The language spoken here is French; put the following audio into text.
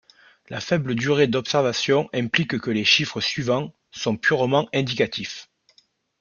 La faible durée d'observation implique que les chiffres suivants sont purement indicatifs.